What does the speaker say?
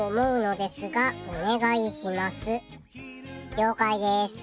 了解です。